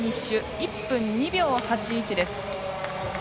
１分２秒８１です。